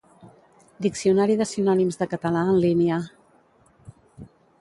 Diccionari de sinònims de català en línia.